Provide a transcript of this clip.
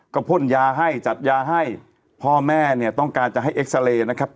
ก็พ่นยาให้จัดยาให้พ่อแม่เนี่ยต้องการจะให้เอ็กซาเรย์นะครับ